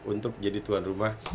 untuk jadi tuan rumah